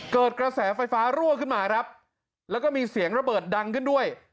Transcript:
เกิดกระแสไฟฟ้ารั่วขึ้นมาครับแล้วก็มีเสียงระเบิดดังขึ้นด้วย